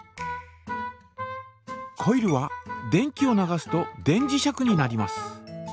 コイルは電気を流すと電磁石になります。